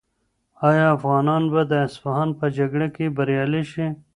آیا افغانان به د اصفهان په جګړه کې بریالي شي؟